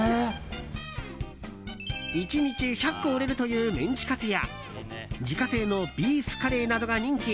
１日１００個売れるというメンチカツや自家製のビーフカレーなどが人気。